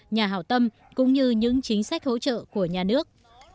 nhà hào tâm cũng như những chính sách hỗ trợ của nhà nước